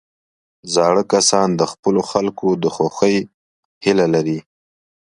زاړه کسان د خپلو خلکو د خوښۍ هیله لري